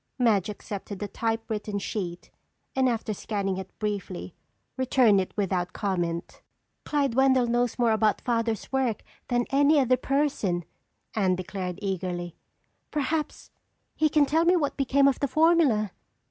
Madge accepted the typewritten sheet and after scanning it briefly, returned it without comment. "Clyde Wendell knew more about Father's work than any other person," Anne declared eagerly. "Perhaps he can tell me what became of the formula."